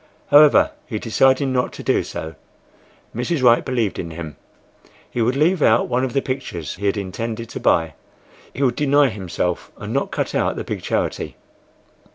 However, he decided not to do so. Mrs. Wright believed in him. He would leave out one of the pictures he had intended to buy; he would deny himself, and not cut out the big charity.